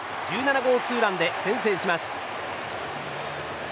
１７号ツーランで先制します。